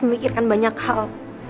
memikirkan banyak hal